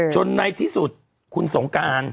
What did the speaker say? ในที่สุดคุณสงการ